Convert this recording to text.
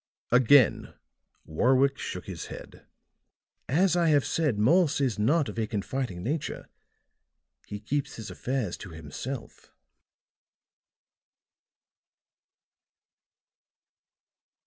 Again Warwick shook his head. "As I have said, Morse is not of a confiding nature. He keeps his affairs to himself."